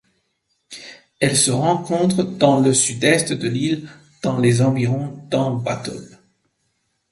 Elle se rencontre dans le Sud-Est de l'île dans les environs d'Ambatobe.